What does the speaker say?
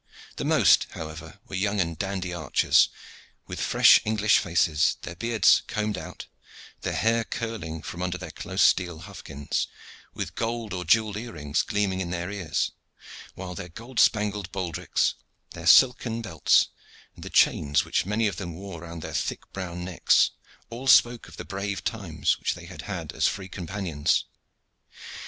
The most, however, were young and dandy archers, with fresh English faces, their beards combed out, their hair curling from under their close steel hufkens, with gold or jewelled earrings gleaming in their ears, while their gold spangled baldrics, their silken belts, and the chains which many of them wore round their thick brown necks, all spoke of the brave times which they had had as free companions.